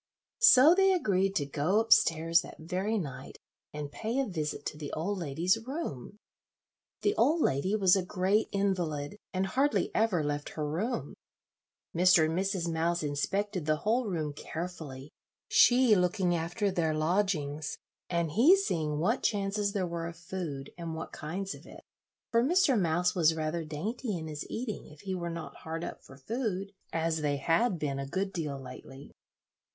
So they agreed to go up stairs that very night and pay a visit to the old lady's room. The old lady was a great invalid, and hardly ever left her room. Mr. and Mrs. Mouse inspected the whole room carefully, she looking after their lodgings, and he seeing what chances there were of food, and what kinds of it, for Mr. Mouse was rather dainty in his eating, if he were not hard up for food, as they had been a good deal lately.